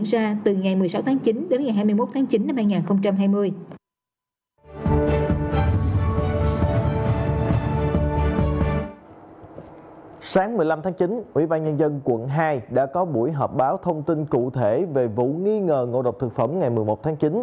sáng một mươi năm tháng chín ubnd quận hai đã có buổi họp báo thông tin cụ thể về vụ nghi ngờ ngộ độc thực phẩm ngày một mươi một tháng chín